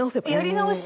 やり直し。